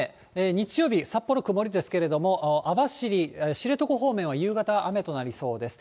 日曜日、札幌は曇りですけれども、網走、知床方面は夕方、雨となりそうです。